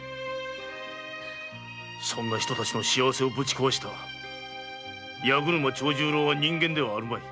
そんな人たちの幸せをぶち壊した八車長十郎は人間ではあるまい。